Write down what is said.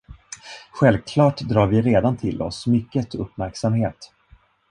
Självklart drar vi redan till oss mycket uppmärksamhet.